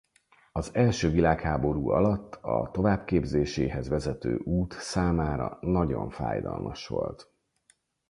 Az első világháború alatt a továbbképzéséhez vezető út számára nagyon fájdalmas volt.